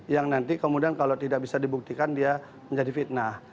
yang nanti kemudian kalau tidak bisa dibuktikan dia menjadi fitnah